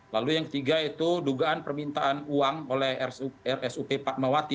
lalu yang ketiga itu dugaan permintaan uang oleh rsup pakmawati